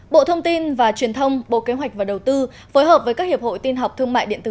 bộ thông tin và truyền thông bộ kế hoạch và đầu tư phối hợp với các hiệp hội tin học thương mại điện tử